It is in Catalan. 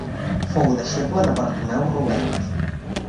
Fou deixeble de Bartomeu Robert.